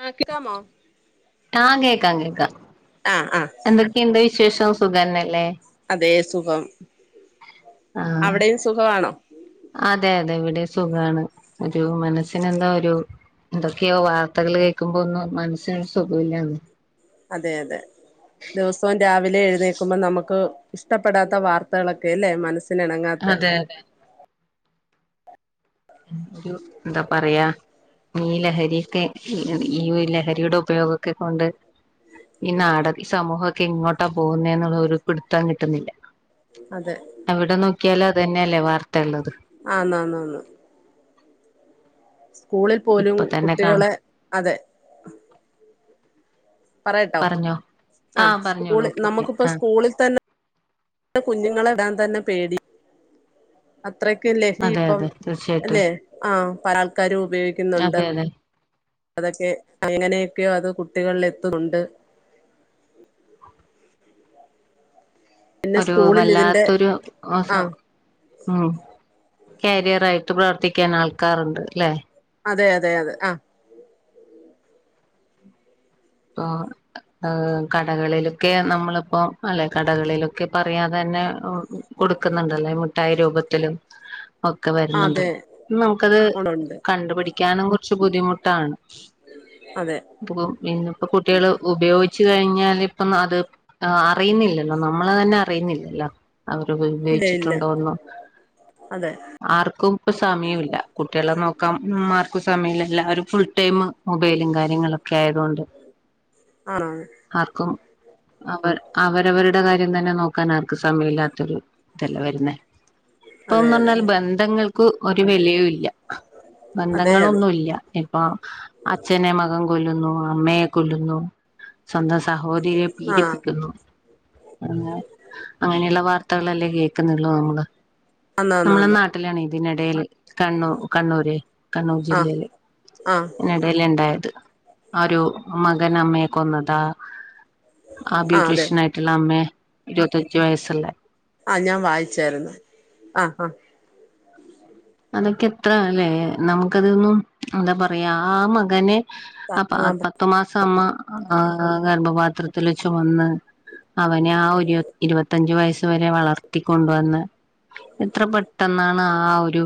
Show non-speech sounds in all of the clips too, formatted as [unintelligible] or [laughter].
ആ കേക്കാമോ ആ കേൾക്കാം കേൾക്കാം ആ ആ എന്തൊക്കെയെണ്ട് വിശേഷം സുഖന്നല്ലേ അതേ സുഖം ആ അവിടെയും സുഖമാണോ അതെ അതെ ഇവി സുഖാണ് ഒരു മനസ്സന് എന്താ ഒരു എന്തൊക്കെയോ വാർത്തകൾ കേൾക്കുമ്പോ ഒന്നും മനസ്സിനൊരു സുഖമില്ലാന്ന് അതെ അതെ ദിവസവും രാവിലെ എഴുന്നേക്കുമ്പോൾ നമുക്ക് ഇഷ്ടപ്പെടാത്ത വാർത്തകളൊക്കെ അല്ലേ മനസ് സ്സിനിണങ്ങാത്ത അതെ അതെ ഒരു എന്താ പറയാ ഈ ലഹരിക്കെ ഈ ലഹരിയുടെ ഉപയോഗൊക്കെ കൊണ്ട് ഈ നാട് ഈ സമൂഹമെക്കെ എങ്ങോട്ടാ പോകുന്ന എന്നുള്ള ഒരു പിടുത്തം കിട്ടുന്നില്ല അതെ എവിടെ നോക്കിയാല അതന്നെല്ലേ വാർത്ത ഉള്ളത് ആനാനാന്ന് സ്കൂളിൽ പോലും ഇപ്പൊ തന്നെ കാണ കുട്ടികളെ അതെ പറയട്ടോ പറഞ്ഞോ ആ ആഹ് പറഞ്ഞോളൂ സ്കൂളിൽ ഓക്കെ ഓക്കെ നമക്കിപ്പ ആഹ് സ്കൂളിൽ തന്നെ കുഞ്ഞുങ്ങളെവിടാൻതന്നെ പേടിയ അത് അത്രക്ക [unintelligible] അതെ ഇപ്പം അതെ തീർച്ചയായിട്ടും അല്ലേ ആഹ് പല ആൾക്കാരും ഉപയോഗിക്കുന്നുണ്ട് അതെ അതെ അതക്കെ എങ്ങനെയൊക്കെയോ അത് കുട്ടികളിലെത്തുന്നുണ്ട് ഒരു സ്കൂളിൽ ഇതിന്റെ വല്ലാത്തൊരു മോസം ആ ഉം കാരിയർ ആയിട്ട് പ്രവർത്തിക്കാൻ ആൾക്കാരുണ്ട് ല്ലെ അതെ അതെ അതെ ആ ഇപ്പൊ ഏ കടകളിലൊക്കെ നമ്മളിപ്പൊ അല്ലെ കടകളിലൊക്കെ പറയാതെ തന്നെ കൊടുക്കുന്നുണ്ടല്ലേ മുഠായി രൂപത്തിലും ഒക്കെ അതെ വരുന്നുണ്ടല്ലോ നമുക്കത് ഉണ്ട് കണ്ടുപടിക്ക പിക്കാനും കുറച്ച് ബുദ്ധിമുട്ടാണ് അതെ അപ്പ പിന്ന കുട്ടികള് ഉപയോഗിച്ചു കഴിഞ്ഞാൽ ഇപ്പം അത് അറിയുന്നില്ലല്ലോ നമ്മള് തന്നെ അറിയുന്നില്ലല്ലോ ഇല്ല ഇല്ല അവരുപയോഗിച്ചിട്ടുണ്ടോന്നൊ അതെ ആർക്കും ഇപ്പൊ സമയൂല്ല കുട്ടികളെ നോക്ക ഉമാർക്കും സമയില്ലാവരും ഫുൾ ടൈം മൊബൈലും കാര്യങ്ങളൊക്കെ ആയത് കൊണ്ടെ ആണോ ആർക്കും അവ- അവരവരുടെ കാര്യം തന്നെ നോക്കാൻ ആർക്കും സമയില്ലാത്തൊരു ഇതല്ലെ വരുന്നെ അതെ ഇപ്പൊന്ന് അതെ പറഞ്ഞ ബന്ധങ്ങൾ ക്ക് ഒരു വിലയും ഇല്ല അതെ അതെ ബന്ധങ്ങളൊന്നുല്യ ഇപ്പൊ അച്ഛനെ മകൻ കൊല്ലുന്നു അമ്മെ കൊല്ലുന്നു സ്വന്തം സഹോദരിയെ ആ പീഡിപ്പിക്കുന്നു അങ്ങനെ അങ്ങനെയുള്ള വാർത്തകളല്ലേ കേ കുന്നുള്ളു നമ്മള് ആന്ന് ആന്ന് നമ്മളെ ആന്ന് നാട്ടിലാണെ അതിനിടയിൽ കണ്ണൂ കണ്ണൂര് കണ്ണൂർ ആ ജില്ലയില് ആ ഇനിടേല് ഇണ്ടായത് ആരോ മകൻ അമ്മയെ കൊന്നതാ ആ ബ്യൂട്ടീഷ്യൻ ആയിട്ടുള്ള അമ്മേ ഇരുപത്തഞ്ച് വയസ്സല്ലേ ആ ഞാൻ വായിച്ചായിരുന്നു ആ ആ അതൊക്കെ എത്ര അല്ലേ നമുക്കതൊന്നും എന്താ പറയാ ആ മകനെ അ പ പത്തു മാസം അമ്മ ആ ഗർഭപാത്രത്തിൽ ചുമന്ന് അവനെ ആ ഒരു ഇരുപത്തഞ്ചു വയസ് വരെ വളർത്തിക്കൊണ്ടുവന്ന് എത്ര പെട്ടെന്നാണ് ആ ഒരു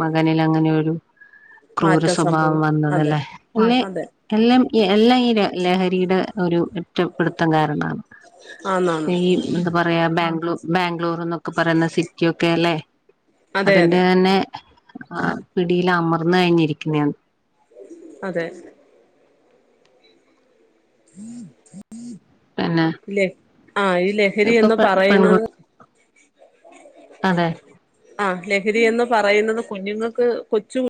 മകനില്‍ അങ്ങനെ ഒരു ക്രൂര മാറ്റം സ്വഭാവം സംഭവിക്കും അതെ വന്നതല്ലേ അല്ലെ അതെ എല്ലാം ഈ എല്ലാം ഈ ല ലഹരിയുടെ ഒരു ഏറ്റ പിടുത്തം കാരണമാണ് ആന്നാന്ന് ഈ എന്താ പറയാ ബാംഗ്ലൂ ബാംഗ്ലൂർന്ന് പറയുന്ന സിറ്റി ഒക്കെ അല്ലേ അതെ അതിന്റെ അതെ തന്നെ ആ പിടിയില്‍ അമര്‍ന്നു കഴിഞ്ഞിരിക്കുന്നന്ന് അതെ [inaudible] പിന്നെ ഇല്ലേ ആ ഈ ലഹരി ഇപ്പൊ എന്നന്ന് പെൺകു പറയുന്നത് അതെ ആ ലഹരി എന്ന് പറയുന്നത് കുഞ്ഞുങ്ങൾക്ക് കൊച്ചു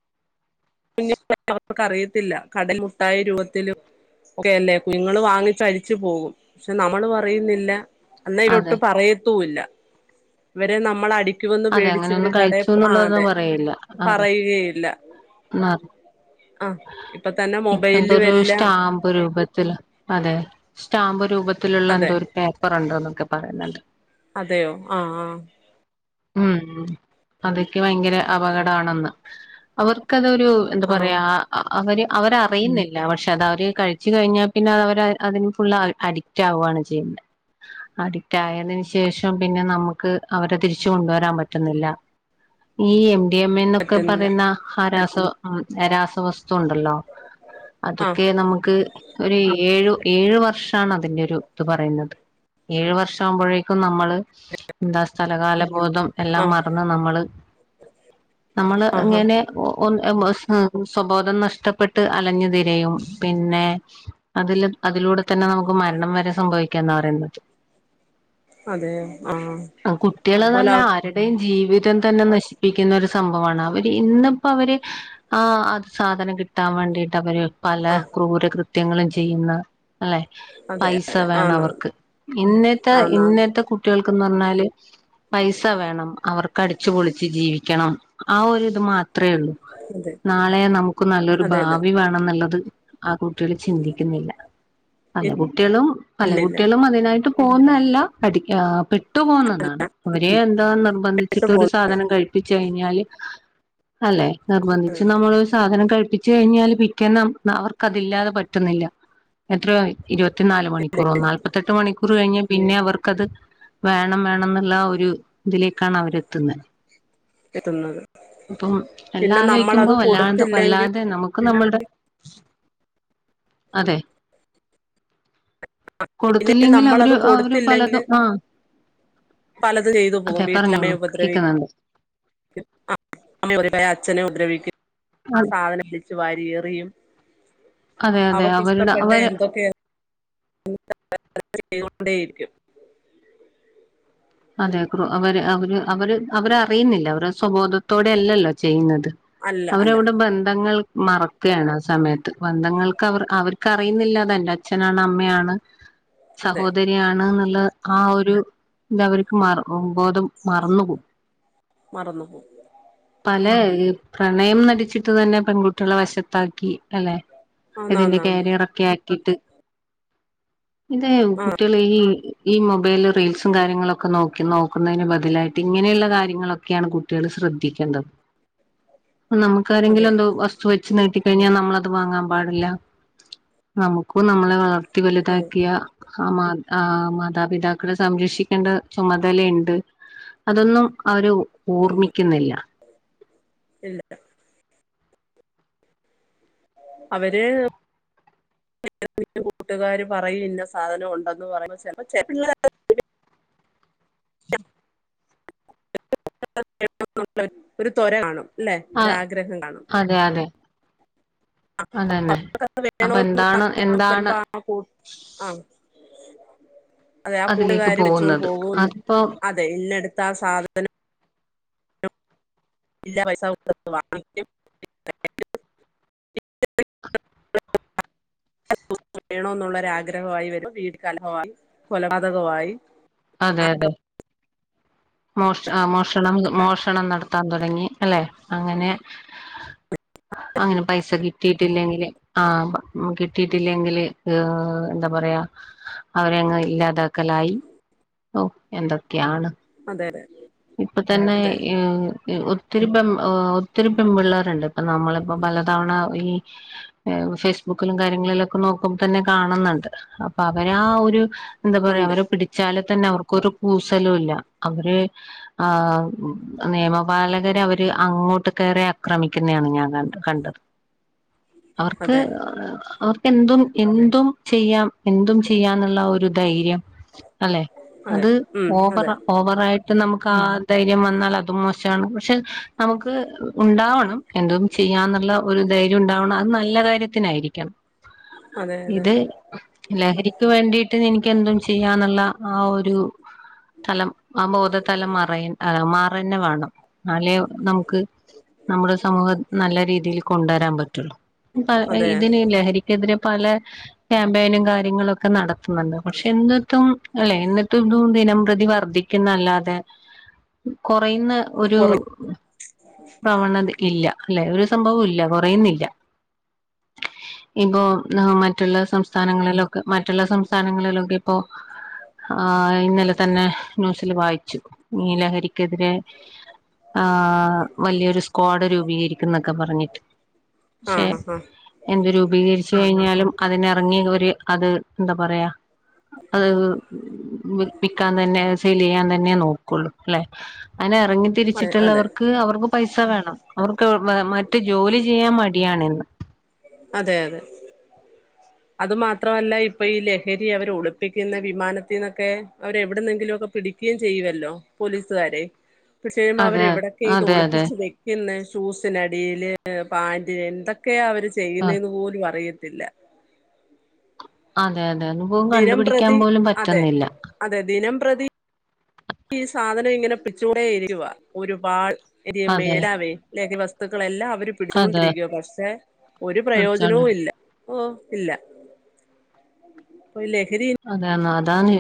കുഞ്ഞ [unintelligible] അവർക്കറിയത്തില്ല കടൽ മുട്ടായി രൂപത്തിലും ഒക്കെല്ലേ കുഞ്ഞുങ്ങൾ വാങ്ങിച്ച് കഴിച്ചു പോകും പക്ഷെ നമ്മളും അറിയുന്നില്ല അതെ അന്നായിലൊട്ട് പറയ ത്തുല ഇവരെ നമ്മൾ അടി ക്കുമെന്ന് അതെ പേടിച്ച് ഇവര് അങ്ങനെയൊന്നും കടെ കഴിച്ചു എന്നുള്ളതൊന്നും അതെ പറയില്ല അതെ പറയുകയില്ല [unintelligible] ആ ഇപ്പൊ തന്നെ ഇപ്പ എന്തൊ മൊബൈലും ഒരു എല്ലാം സ്റ്റാമ്പ് രൂപത്തിൽ അതെ. സ്റ്റാമ്പ് രൂപത്ത് ത്തിലുള്ള അതെ എന്തോ ഒരു പേപ്പർ ഉണ്ട്ന്ന്. ക്കെ പറയുന്നുണ്ട്. അതെയോ ആ ആ. ഉം അതൊക്കെ ഭയങ്കര അപകടവാണെന്ന് അവർക്കത് ഒര് ഒരു എന്താ ആ ആ പറയാ അവര് അവര് അറിയുന്നില്ല പക്ഷെ അത് അവര് കഴിച്ചു കഴിഞ്ഞാ പിന്നെ അവര് അത് അവര് അതിന് ഫുള്ള് അഡിക്റ്റ് ആവുകയാണ് ചെയ്യുന്നത് അഡിക്റ്റ് ആയതിന് ശേഷം പിന്നെ നമുക്ക് അവരെ തിരിച്ച് കൊണ്ടുവരാൻ പറ്റുന്നില്ല ഈ എം എം എ എന്നൊക്കെ പറ്റുന്നില്ല പറയുന്ന ഹരാസ് [unintelligible] ഉം രാസവസ്തു ണ്ടല്ലോ ആ അതൊക്കെ നമുക്ക് ഒരു ഏഴു ഏഴു വർഷമാണ് അതിന്റെ ഒരു ഇത് പറയുന്നത് ഏഴ് വർഷം ആവുമ്പോഴേക്കും നമ്മള് എന്താ സ്ഥലകാല ബോധം ആ എല്ലാം മറന്ന് നമ്മള് നമ്മള് ആഹാ ഇങ്ങനെ ഒ ഒന്ന് [unintelligible] ബോധം നഷ്ടപ്പെട്ട് അലഞ്ഞു തിരിയും, പിന്നെ അതില് അതിലൂടെ തന്നെ നമുക്ക് മരണം വരെ സംഭവിക്കാന്നാ പറയുന്നത്. അതെയോ ആ അ ഓല കുട്ടികള്ന്നല്ല ആരുടെയും ജീവി റ്റം തന്ന നശിപ്പിക്കുന്നൊരു സംഭവാണ് അവര് ഇന്നിപ്പ അവര് ആ അത് സാധനം കിട്ടാൻ വേണ്ടിട്ട് അവര് പല ആ ക്രൂരകൃ ത്യങ്ങളും ചെയ്യുന്ന. അല്ലെ അതെ പൈസ അതെ വേണം ആന്നാന്ന് അവർക്ക് ഇന്നെത്ത ആന്നാന്ന് ഇന്നെത്ത കുട്ടികൾക്ക്. ക്കുന്നു പറഞ്ഞാല് പൈസ വേണം, അവർക്ക് അടിച്ചുപൊളിച്ച് ജീവിക്കണം ആ ഒരു ഇത് മാതി അത്ര ഉള്ളൂ അതെ നാളെ നമു ക്ക്‌ നല്ലൊരു അതെ അതെ ഭാവി വേണന്ന്. നല്ലത് ആ കുട്ടികള് ചിന്തിക്കുന്നില്ല പല കു ട്ടികളും പല ഇല്ല ഇല്ല കുട്ടികളും അതിനായിട്ട്. പോന്ന അല്ല പഠിക്കാന്. ട്ടു പോന്നതാണ് അവരെ എന്താ നിർബന്ധിച്ചിട്ട് ഒരു സാധനം കഴിപ്പിച്ച് കഴിഞ്ഞാല്. അല്ലെ നിർബന്ധിച്ച് നമ്മള്. സാധനം കഴിപ്പിച്ച് കഴിഞ്ഞാല് പിറ്റേന്ന് നമ് അവർക്ക് അത് ഇല്ലാതെ പറ്റുന്നില്ല എത്രയോ. ഇരുപത്തിനാല് മണിക്കൂറോ നാല്പത്തെട്ട് മണിക്കൂറ് കഴിഞ്ഞ പിന്നെ അവർക്കത് വേണം വേണന്നുള്ള ഒരു. ഒരു ഇതിലേക്കാണ് അവർ എത്തുന്ന. എത്തുന്നത് ഇപ്പം എല്ലാ പിന്നെ ആലോയിക്കുമ്പോ നമ്മളത് വല്ലാതെ. കൊടുത്തില്ലെങ്കിൽ വല്ലാതെ നമു നമ്മളുടെ അതെ [inaudible] പിന്നെ കൊടുത്തില്ലെങ്കിൽ അവര് നമ്മളത് അവര് കൊടുത്തില്ലെങ്കില് പലതും ആ പലത് ചെയ്തു പോകും അതെ പറഞ്ഞോളൂ വീട്ടിലമ്മയ ഉപദ്രവി കേക്കുന്നുണ്ട് [inaudible] അച്ഛന- ഉപദ്രവിക്ക്‌- സാധന [unintelligible] വലിച്ച് വാരിയെറിയും അതെ അതെ അവരുടെ അവര് [unintelligible] ചെയ്തുക്കൊണ്ടേയിരിക്കും അതെ ക്രൂ അവര് അവര് അവര് അവര അറിയുന്നില്ല അവരു സ്വബോധത്തോടെയല്ലല്ലാ ചെയ്യുന്നത് അല്ല അല്ല അവരവിട ബന്ധങ്ങൽ - മറക്കയാണ് ആ സമയത്ത് ബന്ധങ്ങൾക്ക് അവർ അവർക്കറിയുന്നില്ല അതെന്റ അച്ഛനാണ് അമ്മയാണ് അതെ സഹോദരിയാണ്ന്നുള്ള ആ.. ഒരു. ഇതവർക്ക് മ ബോധം മറന്നുപോവും. മറന്നു പോവും. അല്ലെ പ്രണയം നടിച്ചിട്ട് തന്നെ പെൺകുട്ടികളെ വശത്താക്കി. അല്ലെ ഇതിന്റെ ആന്നാന്നാന്ന് കാരിയർ ഒക്കെ- ഇത്‌ ഇതേ ആഹ് കുട്ടികള് ഈ ഈ മൊബൈല് റീൽസ്- നോക്കി നോക്കുന്നതിന് ബദലായിട്ട് ഇങ്ങനെയുള്ള കാര്യങ്ങളൊക്കെയാണ് കുട്ടികള് ശ്രദ്ധിക്കേണ്ടത് അതെ നമുക്കാരെങ്കിലെന്തോ വസ്തു വെച്ചു നീട്ടി കഴിഞ്ഞാൽ നമ്മളത് വാങ്ങാൻ പാടില്ല നമുക്ക് ഇപ്പം നമ്മളെ വളർത്തി അതെ വലുതാക്കിയ ആ മാ ആ മാതാപിതാക്കളെ സംരക്ഷിക്ക ക്കേണ്ട ചുമതലിണ്ട് അതൊന്നും ആരും ഉണ്ട് ഓർമ്മിക്കുന്നില്ല ഇല്ല അവര് കൂട്ടുകാര് പറയും ഇന്ന സാധനം ഉണ്ടന്ന് പറയും [inaudible] [unintelligible] ഒരു തൊര കാണും ല്ലെ ആ ഒരാഗ്രഹം കാണും അതെ അതെ അതന്നെ അത് അപ്പൊ വേണോന്ന് എന്താണ് എന്താണ് വരുമ്പോ ആ കൂ ആഹ് അതെ ആ അതിലേക്ക് കൂട്ടുകാരി വെച്ചൊണ്ട് പോകുന്നത് പോകും അതിപ്പോ അതെ ഇന്നെടുത്താ സാധനം ഇല്ല പൈസ കൊട്ത്ത് വാങ്ങിക്കും [inaudible] വേണൊന്നുള്ളരാഗ്രഹായി വരും വീട് കലഹമായി കൊലപാതകമായി അതെ അതെ. മോഷ മോഷണം മോഷണം നടത്താൻ തൊടങ്ങി. അല്ലെ. അങ്ങനെ അങ്ങനെ പൈസ കിട്ടിയിട്ടില്ലെങ്കില് ആ.. കിട്ടിയിട്ടില്ലെങ്കില് ഏ.. എന്താ പറയാ അവരെങ്ങ് ഇല്ലാതാക്കലായി. ഓ എന്തൊക്കെയാണ് [unintelligible] ഇപ്പൊ തന്നെ അതെ ഈ ഒത്തിരി പെ ഒത്തിരി പെമ്പിള്ളേരിണ്ട്. ഇപ്പൊ നമ്മളിപ്പോ പലതവണ ഈ ഫേസ്ബുക്കിലും കാര്യങ്ങളിലൊക്കെ നോക്കുമ്പ തന്നെ കാണുന്നണ്ട്. അപ്പൊ അവരാ ആ ഒരു എന്താ പറയാ ഉണ്ട് അവര് പിടിച്ചാല് തന്നെ അവർക്കൊരു കൂസലു ഇല്ല. അവര് ആ നിയമപാലകര് അവര് അങ്ങോട്ട് കയറി ആക്രമിക്കുന്നയാണ് ഞാൻ കൺട് കണ്ടത്. അവർക്ക് അതെ [unintelligible] എന്തും എന്തും ചെയ്യാം. എന്തും ചെയ്യാന്നെള്ള ഒര് ധൈര്യം. അല്ലെ അതെ അത് ഉം അതെ ഓവറാ ഓവറായിട് നമുക്ക് ആ ധൈര്യം വന്നാൽ അതും മോശാണ്. പക്ഷെ നമുക്ക് ഉണ്ടാവണം എന്തും ചെയ്യാന്നള്ള ഒരു ധൈര്യം ഉണ്ടാവണം അത് നല്ല കാര്യത്തിനായിരിക്കണം അതെ അതെ ഇത് ലഹരിക്ക് വേണ്ടിട്ട് എനിക്ക് എന്തും ചെയ്യാന്നള്ള ആ ഒരു സ്ഥലം ആ‌ ബോദ [unintelligible] മാറ അന്നേ വേണം അല്ലെ നമുക്ക് നമ്മുടെ സമൂഹം നല്ല രീതിയിൽ കൊണ്ടരാൻ പറ്റുള്ളു പ അതെ ഇതിന് അതെ ലഹരിക്കെതിരെ പല ക്യാമ്പയിനും കാര്യങ്ങളും ഒക്കെ നടക്‌ പക്ഷെ എന്നിട്ടും അല്ലേ എന്നിട്ടിതു ദിനംപ്രതി വർദ്ധിക്കുന്ന അല്ലാതെ കുറയുന്ന ഒരു കൊറ പ്രവണത് ഇല്ല അല്ലെ ഒരു സംഭവം ഇല്ല കുറയുന്നില്ല ഇപ്പോ മറ്റുള്ള സംസ്ഥാനങ്ങളിലൊക് മറ്റുള്ള സംസ്ഥാനങ്ങളിലൊക്കെ ഇപ്പോ ആ ഇന്നലെ തന്നെ ന്യൂ വായിച്ചു ഇ ലഹരി ക്കെതിരെ ആ വലിയൊരു സ്ക്വാഡ് രൂപീകരിക്കും എന്നൊക്കെ പറഞ്ഞിട്ട് പക്ഷെ ആഹ് ആഹ് ആഹ് എന്ത് രൂപീകരിച്ച് കഴിഞ്ഞാലും അതിന് ഇറങ്ങി ഒരു അത് എന്താ പറയാ അത് വിപ്പിക്കാൻ തന്നെ സെൽ ചെയ്യാൻ തന്നെ നോക്കും കൊള്ളും ല്ലേ അങ്ങനെ എറങ്ങി അതെ അതെ തിരിച്ചിട്ടുള്ളവർക്ക് അവർക്ക് ണം. അവർക്ക് മ മറ്റ് ജോലി ചെയ്യാൻ മടിയാണെന്ന്. അതെ അതെ. അത് മാത്രമല്ല, ഇപ്പൊ ഈ ലഹരി അവരെ ഒളിപ്പിക്കുന്ന വിമാനത്തീന്നൊക്കെ അവരെ എവിടുന്നെങ്കിലും ഒക്കെ പിടിക്കയും ചെയ്യുവല്ലോ പോലീസുകാരെ. ഇപ്പൊ ചെയ്യുമ്പൊ അതെ അവരെവിടൊക്കെ ഇത് അതെ അതെ ഒളിപ്പിച്ച് വെക്കുന്നെ? ഷൂസ് നടീല് പാന്റ്. എന്തൊക്കെയാ ആ ചെയ്യുന്നേന്ന് പോലു അറിയത് ത്തില്ല. ആ പാന്റേന്ന് പോലു കണ്ടുപിടിക്കാൻ പോലും അതെ പറ്റുന്നില്ല. അതെ ദിനം പ്രതി ഈ സാധനം ഇങ്ങനെ പിടിച്ചോണ്ടേ ഇരിക്കുവാ, ഒരുപാട്. [unintelligible] അതെ മേടാവേ ലഹരി വസ് തുക്കളെല്ലാം അവര് അതെ പിടിച്ചോണ്ടിരിക്കുവാ. പക്ഷെ ഒരു പഠിച്ചാണ്ട് പ്രയോജനവും ഇല്ല. ഓ ഇല്ല പോ ലെഹരിയെന്ന് താനെ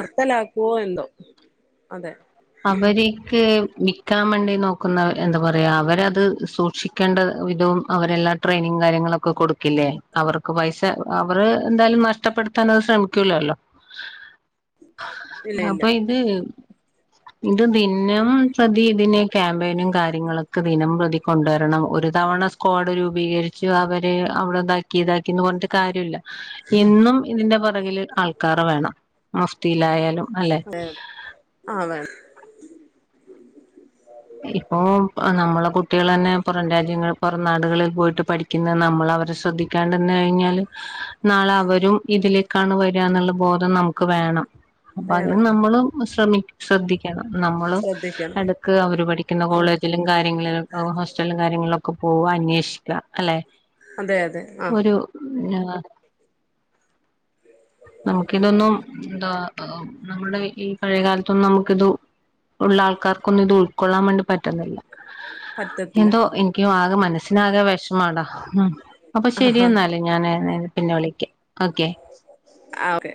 നിർത്തലാക്കുവോ എന്തോ? അതെ അവര്ക്ക് മിക്കാമ്മേണ്ടി നോക്ക്ന്ന എന്താ പറയാ, അവരത് സൂക്ഷിക്കേണ്ട വിധവും അവരെല്ലാ ട്രെയിനിങ്ങ് കാര്യങ്ങളൊക്കെ കൊടുക്കില്ലേ? അവർക്ക് പൈസ അവറ് എന്തായാലും നഷ്ടപ്പെടുത്താനത് ശ്രമിക്കൂലല്ലോ? ഇല്ല ഇല്ല അപ്പൊ ഇത് ഇത് ദിനം പ്രതി ഇതിനെ ക്യാമ്പയിനും കാര്യങ്ങളൊക്കെ ദിനം പ്രതി കൊണ്ട് വരണം. ഒരു തവണ സ്ക്വാഡ് രൂപീകരിച്ചു അവര് അവിടെ ഇതാക്കി ഇതാക്കിന്ന് പറഞ്ഞിട്ട് കാര്യല്ല. എന്നും ഇതിന്റെ പെറ പിറകില് ആൾക്കാറ് വേണം. മഫ്തിയിലായാലും അതെയതെ. ആ വേണം ഇപ്പോ നമ്മളെ കുട്ടികള് തന്നെ പുറം രാജ്യങ്ങൾ പുറം നാടുകളിൽ പോയിട്ട് പഠിക്കുന്നത് നമ്മൾ അവരെ ശ്രദ്ധിക്കാണ്ട്ന്ന്‌ കഴിഞ്ഞാല്, നാളെ അവരും ഇതിലേക്കാണ് വരികാന്നുള്ള ബോധം നമുക്ക് വേണം. അപ്പൊ അതിന് വേണം നമ്മളും ശ് ശ്രമിക് ശ്രദ്ധിക്ക് ക്കണം. നമ്മള് ശ്രദ്ധിക്കണം എടക്ക് അവര് പഠിക്കുന്ന കോളേജില് കാര്യങ്ങള്, ഹോസ്റ്റൽലും കാര്യങ്ങൾലൊക് ക്കെ പോവാ അന്വേഷിക്ക, അല്ലെ? അതെ അതെ ആ ആ നമുക്കിതൊന്നും എന്താ നമ്മുടെ ഈ പഴയകാലത്തൊന്നും നമുക്ക്ത് ഉള്ള ആൾക്കാർക്കൊന്നും ഇത് ഉൾക്കൊള്ളാൻ വേണ്ടി പറ്റുന്നില്ല. പറ്റത്തില്ല എന്തോ എനിക്കും ആകെ മനസ്സി പിന്ന ആക വിഷമാടാ ഉം അപ്പൊ ആ ശരിയെന്നാല് ഞാന് നേര പിന്നെ വിളക്കാം ഓക്കെ ആ ഓക്കെ